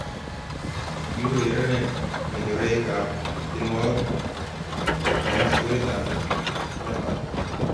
kikiurerenen ng'echeroikab tienwokik eng sukulitab praimari